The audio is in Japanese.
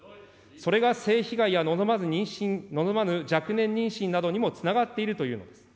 それが性被害や望まぬ若年妊娠などにもつながっているというのです。